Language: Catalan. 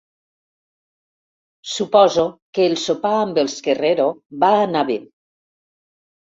Suposo que el sopar amb els Guerrero va anar be.